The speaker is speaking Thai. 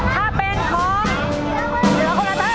ถ้าเป็นของเยอะโคนระทำ